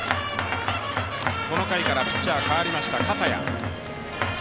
この回からピッチャー代わりました、笠谷。